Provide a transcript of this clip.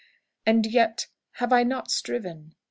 And yet have I not striven?